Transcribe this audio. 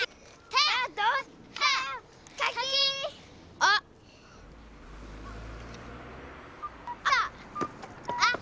あっあった！